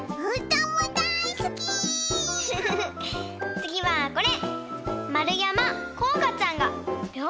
つぎはこれ！